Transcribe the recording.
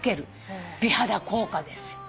美肌効果ですよ。